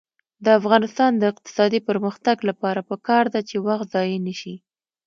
د افغانستان د اقتصادي پرمختګ لپاره پکار ده چې وخت ضایع نشي.